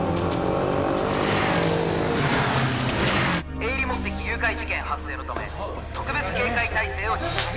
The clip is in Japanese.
「営利目的誘拐事件発生のため特別警戒態勢を実施します」